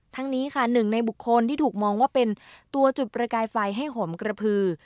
นี้ค่ะหนึ่งในบุคคลที่ถูกมองว่าเป็นตัวจุดประกายไฟให้ห่มกระพือ